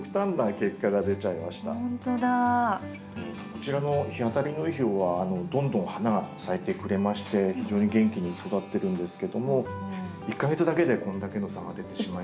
こちらの日当たりのいい方はどんどん花が咲いてくれまして非常に元気に育ってるんですけども１か月だけでこんだけの差が出てしまいました。